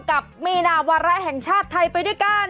กับมีนาวาระแห่งชาติไทยไปด้วยกัน